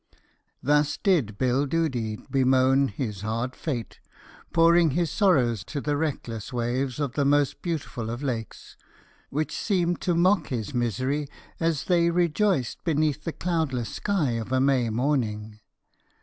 Thus did Bill Doody bemoan his hard fate, pouring his sorrows to the reckless waves of the most beautiful of lakes, which seemed to mock his misery as they rejoiced beneath the cloudless sky of a May morning.